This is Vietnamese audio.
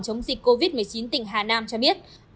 chống dịch covid một mươi chín tỉnh hà nam cho biết